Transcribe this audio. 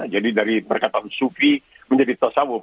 jadi dari perkataan sufi menjadi tasawuf